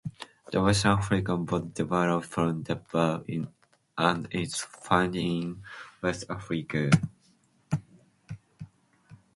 The West African Barb developed from the Barb and is found in West Africa.